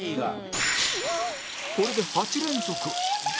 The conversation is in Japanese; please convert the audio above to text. これで８連続